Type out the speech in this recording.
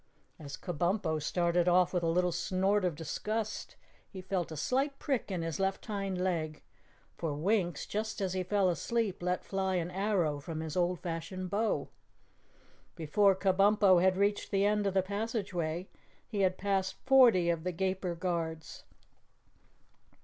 As Kabumpo started off with a little snort of disgust, he felt a slight prick in his left hind leg, for Winks, just as he feel asleep, let fly an arrow from his old fashioned bow. Before Kabumpo had reached the end of the passageway he had passed forty of the Gaper Guards.